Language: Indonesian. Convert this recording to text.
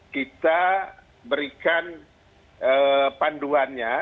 kita berikan panduannya